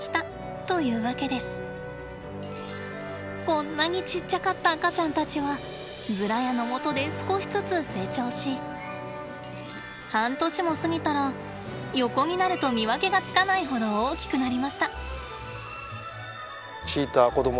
こんなにちっちゃかった赤ちゃんたちはズラヤのもとで少しずつ成長し半年も過ぎたら横になると見分けがつかないほど大きくなりました。